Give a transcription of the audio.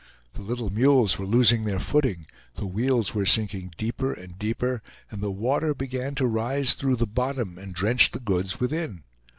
The little mules were losing their footing, the wheels were sinking deeper and deeper, and the water began to rise through the bottom and drench the goods within.